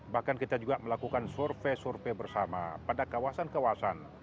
bahkan kita juga melakukan survei survei bersama pada kawasan kawasan